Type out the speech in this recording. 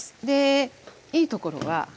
でいいところは。